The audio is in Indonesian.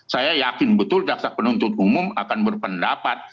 saya yakin betul jaksa penuntut umum akan berpendapat